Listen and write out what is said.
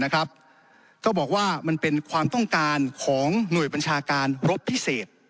ก็บอกว่ามันเป็นความต้องการของหน่วยบัญชาการรบพิเศษ